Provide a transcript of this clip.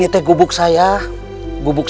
ayo guru beritahu saya